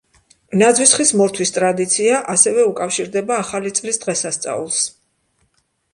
ნაძვის ხის მორთვის ტრადიცია ასევე უკავშირდება ახალი წლის დღესასწაულს.